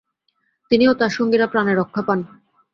তিনি ও তার সঙ্গীরা প্রানে রক্ষা পান।